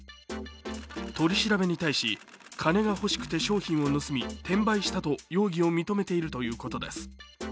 取り調べに対し金が欲しくて商品を盗み転売したと容疑を認めているということです。